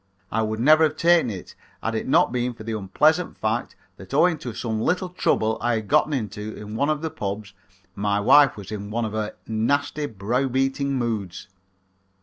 I would never have taken it had it not been for the unpleasant fact that owing to some little trouble I had gotten into at one of the pubs my wife was in one of her nasty, brow beating moods.